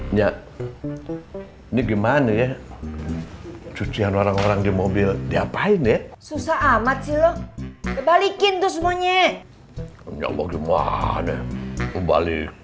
ini gimana ya cucian orang orang di mobil diapain ya susah amat silo kebalikin tuh semuanya nyoba